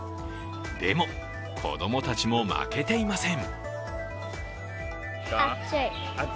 でも、子供たちも負けていません。